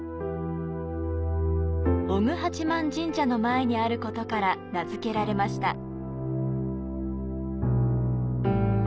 尾久八幡神社の前にあることから名づけられました。